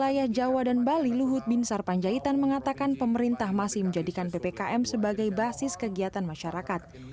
wilayah jawa dan bali luhut bin sarpanjaitan mengatakan pemerintah masih menjadikan ppkm sebagai basis kegiatan masyarakat